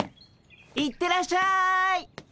行ってらっしゃい。